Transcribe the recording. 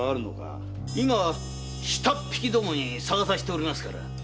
今下っ引きに捜させております。